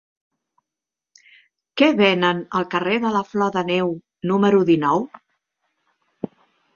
Què venen al carrer de la Flor de Neu número dinou?